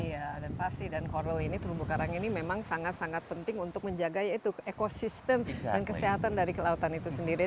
iya dan pasti dan coral ini terumbu karang ini memang sangat sangat penting untuk menjaga yaitu ekosistem dan kesehatan dari kelautan itu sendiri